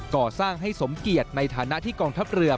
ก่อสร้างให้สมเกียรติในฐานะที่กองทัพเรือ